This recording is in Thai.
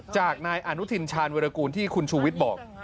จากนายอนุทินชาญวิรากูลที่คุณชูวิทย์บอก